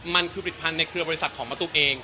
มันคือผลิตภัณฑ์ในเครือบริษัทของมะตุ๊กเอง